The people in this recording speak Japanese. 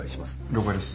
了解です。